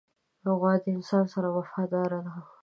غوا د انسان سره وفاداره ده.